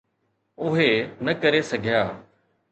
اهي نه ڪري سگهيا.